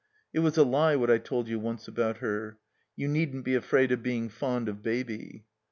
"It was a lie what I told you once about her." "You needn't be afraid of being fond of Baby."